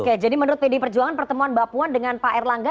oke jadi menurut pdi perjuangan pertemuan mbak puan dengan pak erlangga